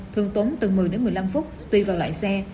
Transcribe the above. thường tốn từ một mươi đến một mươi năm phút tùy vào loại xe